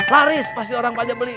laris pasti orang beli